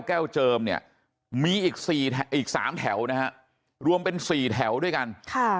แก้วเจิมเนี่ยมีอีกสี่อีกสามแถวแล้วรวมเป็นสี่แถวด้วยกันคือ